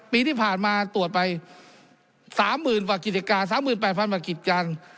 ปีที่ผ่านมาตรวจไป๓หมื่นประกิจการ๓๘๐๐๐ประกิจการ